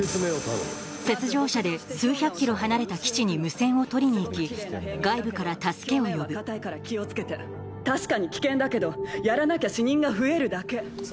雪上車で数百ｋｍ離れた基地に無線を取りに行き外部から助けを呼ぶ確かに危険だけどやらなきゃ死人が増えるだけ。